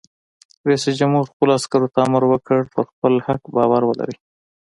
رئیس جمهور خپلو عسکرو ته امر وکړ؛ پر خپل حق باور ولرئ!